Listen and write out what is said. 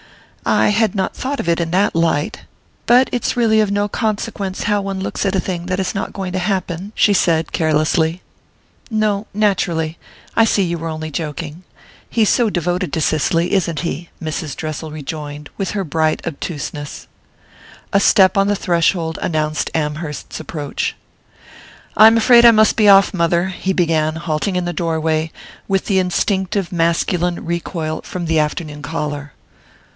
"I had not thought of it in that light but it's really of no consequence how one looks at a thing that is not going to happen," she said carelessly. "No naturally; I see you were only joking. He's so devoted to Cicely, isn't he?" Mrs. Dressel rejoined, with her bright obtuseness. A step on the threshold announced Amherst's approach. "I'm afraid I must be off, mother " he began, halting in the doorway with the instinctive masculine recoil from the afternoon caller.